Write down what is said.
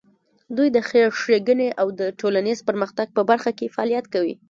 دوی د خیر ښېګڼې او د ټولنیز پرمختګ په برخه کې فعالیت کوي.